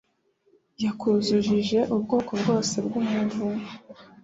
Yakuzujije ubwoko bwose bw'umuvumo